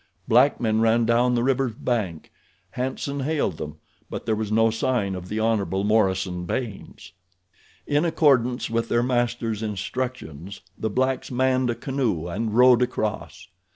Black men ran down the river's bank. Hanson hailed them. But there was no sign of the Hon. Morison Baynes. In accordance with their master's instructions the blacks manned a canoe and rowed across.